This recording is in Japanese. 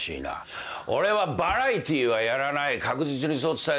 俺はバラエティーはやらない確実にそう伝えたはずだ。